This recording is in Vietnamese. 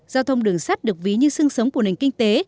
giao thông đường sắt được ví như sương sống của nền kinh tế